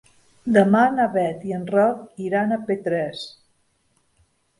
Demà na Beth i en Roc iran a Petrés.